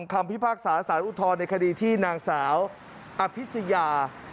คำพิพากษาสารอุทธรณ์ในคดีที่นางสาวอภิษยา